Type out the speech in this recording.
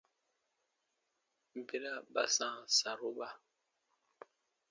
Bera ba sãa saroba.